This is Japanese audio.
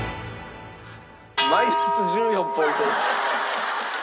マイナス１４ポイントです。